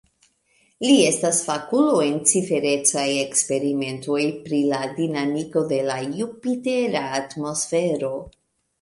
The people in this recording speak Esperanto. Li estas fakulo en ciferecaj eksperimentoj pri la dinamiko de la jupitera atmosfero.